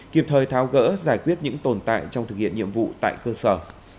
kịp thời tháo gỡ giải quyết những tồn tại trong thực hiện nhiệm vụ tại cơ sở